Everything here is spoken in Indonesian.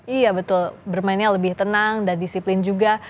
iya betul bermainnya lebih tenang dan disiplin juga